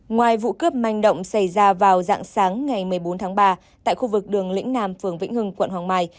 ngoài vụ cướp manh động xảy ra vào dạng sáng ngày một mươi bốn tháng ba tại khu vực đường lĩnh nam phường vĩnh hưng quận hoàng mai